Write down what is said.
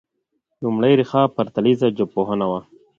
لومړۍ ريښه پرتلیره ژبپوهنه وه